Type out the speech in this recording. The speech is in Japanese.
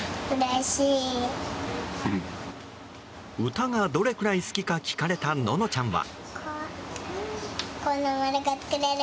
歌がどれくらい好きか聞かれたののちゃんは。